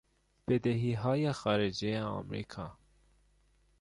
بدهیهای خارجی امریکا